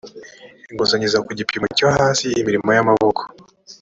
inguzanyo iza ku gipimo cyo hasi imirimo y amaboko